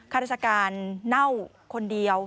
ข้าราชการเน่าคนเดียว